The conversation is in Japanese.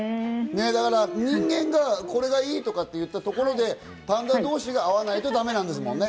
だから、人間がこれがいいといったところで、パンダ同士が合わないとだめなんですもんね。